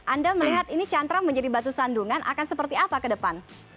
anda melihat ini cantrang menjadi batu sandungan akan seperti apa ke depan